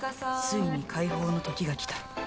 ついに解放の時が来た